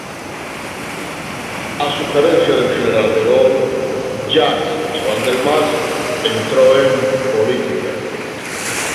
A sugerencia del general de Gaulle, Jacques Chaban-Delmas entró en política.